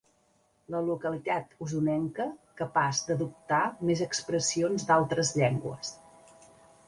La localitat osonenca capaç d'adoptar més expressions d'altres llengües.